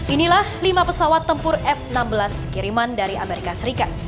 inilah lima pesawat tempur f enam belas kiriman dari amerika serikat